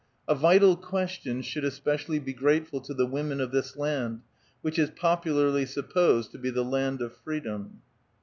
"A Vital Question " should especially be grateful to the women of this land, which is popularly supposed to be " the land of freedom."